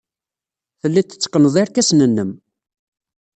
Telliḍ tetteqqneḍ irkasen-nnem.